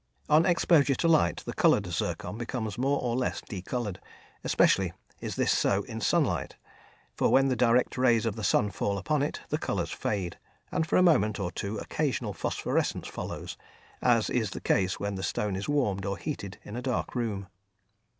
On exposure to light the coloured zircon becomes more or less decoloured; especially is this so in sunlight, for when the direct rays of the sun fall upon it, the colours fade, and for a moment or two occasional phosphorescence follows, as is the case when the stone is warmed or heated in a dark room.